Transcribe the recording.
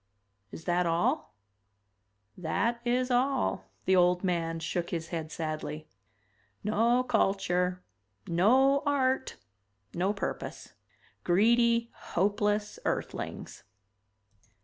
"Is that all?" "That is all." The old man shook his head sadly. "No culture, no art, no purpose. Greedy, hopeless Earthlings."